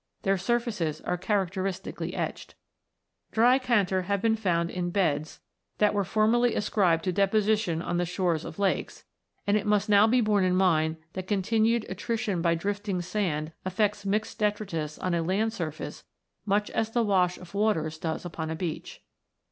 Their surfaces are character istically etched. Dreikanter have been found in beds that were 72 ROCKS AND THEIR ORIGINS [OH. formerly ascribed to deposition on the shores of lakes, and it must now be borne in mind that continued attrition by drifting sand affects mixed detritus on a land surface much as the wash of waters does upon a beach.